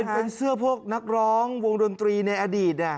เป็นเสื้อพวกนักร้องวงดนตรีในอดีต